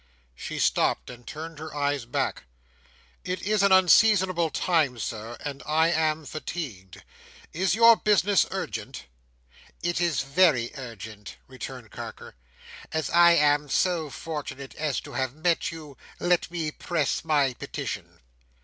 She stopped and turned her eyes back "It is an unseasonable time, Sir, and I am fatigued. Is your business urgent?" "It is very urgent, returned Carker. "As I am so fortunate as to have met you, let me press my petition."